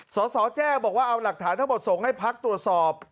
สสแจ้บอกว่าเอาหลักฐานทั้งหมดส่งให้พักตรวจสอบ